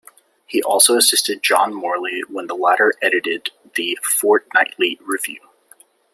He also assisted John Morley, when the latter edited the "Fortnightly Review".